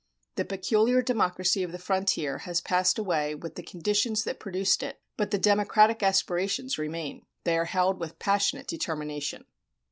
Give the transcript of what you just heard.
The peculiar democracy of the frontier has passed away with the conditions that produced it; but the democratic aspirations remain. They are held with passionate determination.